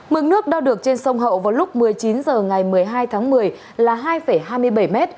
mực nước đo được trên sông hậu vào lúc một mươi chín h ngày một mươi hai tháng một mươi là hai hai mươi bảy m